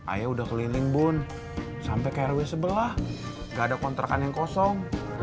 ayah udah keliling bun sampai ke rw sebelah gak ada kontrakan yang kosong